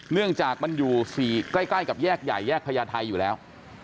เนื่องจากมันอยู่ใกล้กับแยกใหญ่แยกพญาไทยอยู่แล้ว